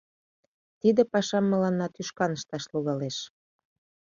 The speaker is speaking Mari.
Тиде пашам мыланна тӱшкан ышташ логалеш.